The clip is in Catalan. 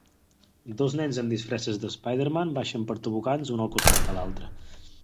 Dos nens amb disfresses de Spiderman baixen per tobogans un al costat de l'altre.